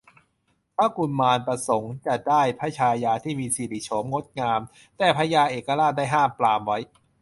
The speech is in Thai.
พระกุมารประสงค์จะได้พระชายาที่มีสิริโฉมงดงาม แต่พญาเอกราชได้ห้ามปรามไว้